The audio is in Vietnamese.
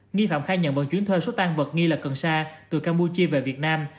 nghi phạm khai nhận vận chuyến thuê số tăng vật nghi lật cần sa từ campuchia về việt nam